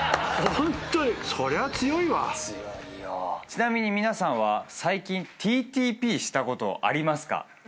ちなみに皆さんは最近ＴＴＰしたことありますか？